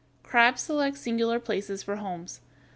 ] Crabs select singular places for homes.